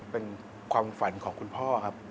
เป็นความฝันของคุณพ่อครับ